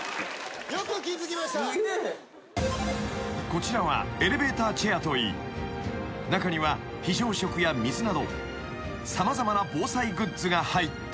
［こちらはエレベーターチェアといい中には非常食や水など様々な防災グッズが入っている］